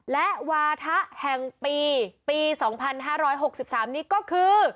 และวาถะแห่งปีปี๒๕๖๓นี้ก็คือ